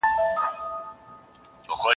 د ابولهب قصه.